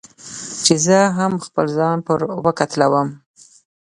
چې زه هم خپل ځان پر وکتلوم.